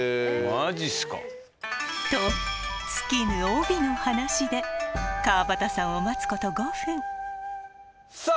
マジっすかと尽きぬ帯の話で川畑さんを待つこと５分さあ